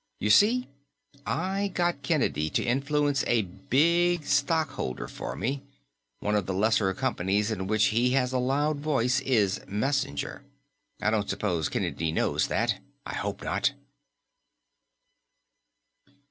You see, I got Kennedy to influence a big stockowner for me. One of the lesser companies in which he has a loud voice is Messenger. I don't suppose Kennedy knows that. I hope not!"